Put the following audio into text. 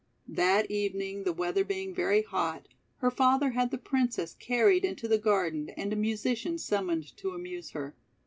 That evening, the weather being very hot, her father had the Princess carried into the gar den and a musician summoned to amuse her.